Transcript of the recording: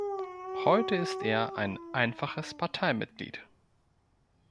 Heute ist er ein „einfaches Parteimitglied“.